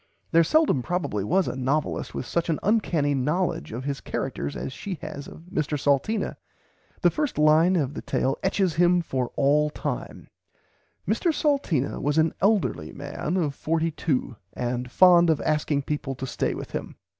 There seldom probably was a novelist with such an uncanny knowledge of his characters as she has of Mr Salteena. The first line of the tale etches him for all time: "Mr Salteena was an elderly man of 42 and fond of asking people to stay with him."